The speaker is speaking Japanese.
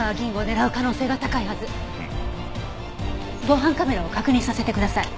防犯カメラを確認させてください。